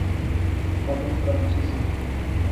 کاجن فرانسیسی